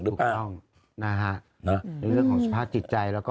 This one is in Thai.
ถูกต้องนะฮะเรื่องของสภาษณ์จิตใจ